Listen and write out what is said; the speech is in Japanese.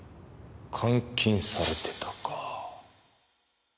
監禁されてたか。